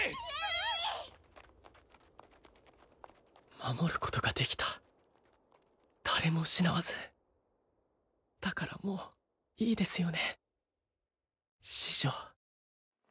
守ることができた誰も失わずだからもういいですよね